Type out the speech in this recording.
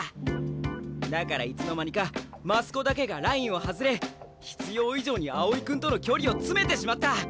だからいつの間にか増子だけがラインを外れ必要以上に青井君との距離を詰めてしまった。